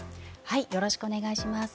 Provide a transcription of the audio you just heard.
よろしくお願いします。